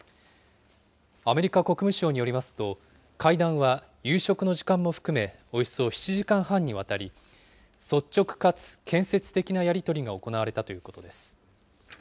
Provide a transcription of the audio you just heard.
アメリカ国務省によりますと、会談は夕食の時間も含め、およそ７時間半にわたり、率直かつ建設的なやり取りが行われたということです。